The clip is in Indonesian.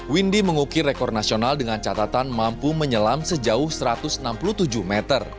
windy mengukir rekor nasional dengan catatan mampu menyelam sejauh satu ratus enam puluh tujuh meter